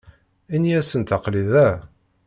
Ini-asent aql-i da.